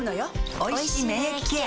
おいしい免疫ケア